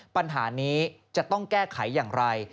ปัญหานี้จะต้องแก้ไขอย่างไร